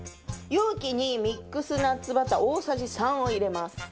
容器にミックスナッツバター大さじ３を入れます。